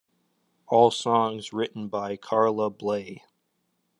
All songs written by Carla Bley.